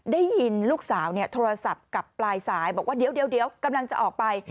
ได้ยินลูกสาวโทรศัพท์กับปลายสายบอกว่าเดี๋ยวกำลังจะออกไป